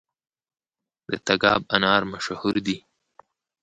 د تګاب انار مشهور دي